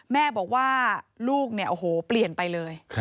แม่บอกว่าลูกเปลี่ยนไปเลย